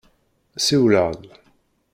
Siwel-aɣ-d.